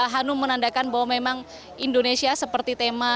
hanum menandakan bahwa memang indonesia seperti tema